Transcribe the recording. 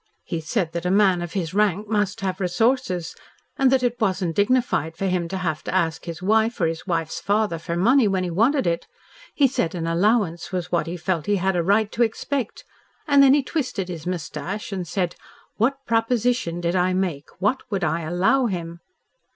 He said that a man of his rank must have resources, and that it wasn't dignified for him to have to ask his wife or his wife's father for money when he wanted it. He said an allowance was what he felt he had a right to expect. And then he twisted his moustache and said, 'what proposition' did I make what would I allow him?"